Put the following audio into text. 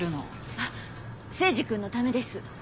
あっ征二君のためです。